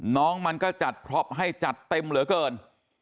น้องมันก็จัดพรอบมาให้จัดเต็มเหลือเกิน